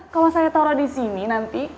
kalau saya taruh disini nanti